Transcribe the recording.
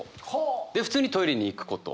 で普通にトイレに行くこと。